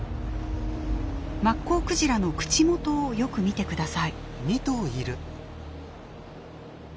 マッコウクジラの口元をよく見てください。